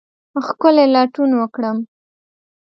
ښکلې لټون وکرم